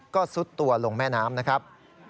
ก็ซุดตัวลงแม่น้ำนะครับ